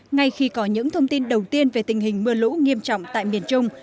ngay khi có những thông tin đầu tiên về tình hình mưa lũ nghiêm trọng tại miền trung